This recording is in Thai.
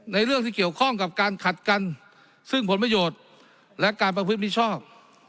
เรื่องที่เกี่ยวข้องกับการขัดกันซึ่งผลประโยชน์และการประพฤติมิชชอบ